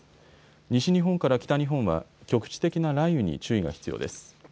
西日本から北日本は局地的な雷雨に注意が必要です。